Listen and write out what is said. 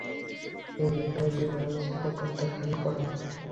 তিনি তা বিনয়ের সাথে প্রত্যাখ্যান করেন।